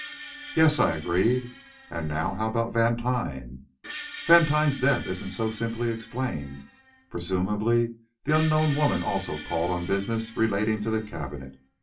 "Yes," I agreed; "and now how about Vantine?" "Vantine's death isn't so simply explained. Presumably the unknown woman also called on business relating to the cabinet.